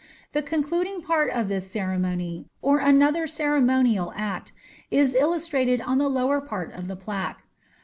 The concluding part of this ceremony, or another ceremonial act, is illustrated on the lower part of the plaque.